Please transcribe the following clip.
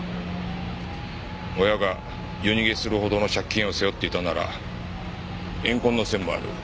親が夜逃げするほどの借金を背負っていたなら怨恨の線もある。